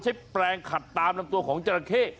หลังน้ำออก